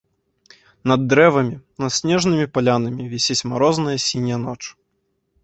Над дрэвамі, над снежнымі палянамі вісіць марозная сіняя ноч.